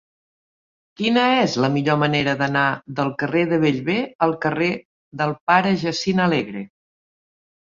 Quina és la millor manera d'anar del carrer de Bellver al carrer del Pare Jacint Alegre?